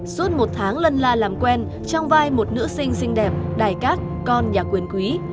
suốt một tháng lân la làm quen trong vai một nữ sinh xinh đẹp đài các con nhà quyền quý